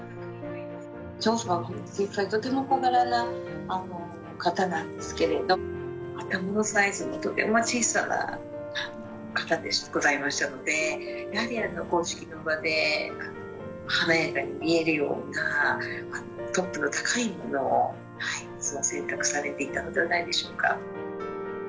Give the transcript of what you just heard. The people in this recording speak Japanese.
女王様はとても小柄な方なんですけれど、頭のサイズも、とても小さな方でございましたので、やはり公式の場で華やかに見えるような、トップの高いものを、いつも選択されていたのではないでしょうか。